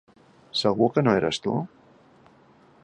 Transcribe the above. ¿Segur que no eres tu?